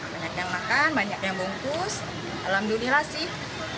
banyak yang makan banyak yang bungkus alhamdulillah sih